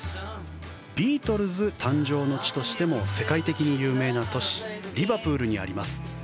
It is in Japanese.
ビートルズ誕生の地としても世界的に有名な都市リバプールにあります